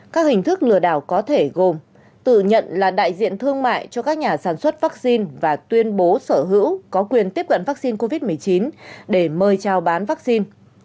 các hình thức lừa đảo có thể gồm tự nhận là đại diện thương mại cho các nhà sản xuất vaccine và tuyên bố sở hữu có quyền tiếp cận vaccine covid một mươi chín để mời trao bán vaccine